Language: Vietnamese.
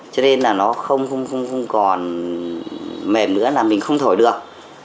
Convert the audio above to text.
cho nên là nó không còn mềm nữa là mình không thổi được